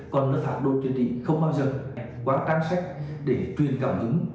còn phạm đồ chữa trị không bao giờ quá trang sách để truyền cảm hứng